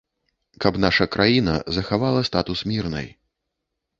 Каб наша краіна захавала статус мірнай.